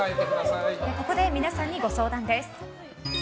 ここで、皆さんにご相談です。